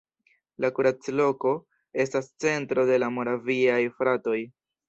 La Kuracloko estas centro de la Moraviaj fratoj.